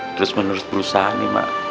terus menerus perusahaan nih mak